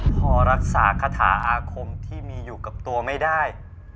พอรักษาคาถาอาคมที่มีอยู่กับตัวไม่ได้